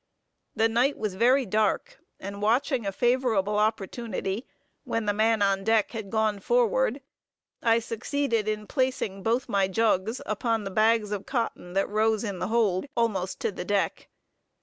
The night was very dark, and, watching a favorable opportunity, when the man on deck had gone forward, I succeeded in placing both my jugs upon the bags of cotton that rose in the hold, almost to the deck.